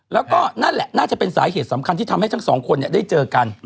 แล้วก็นั่นแหละน่าจะเป็นสาเหตุสำคัญที่ทำให้ทั้งสองคนได้เจอกัน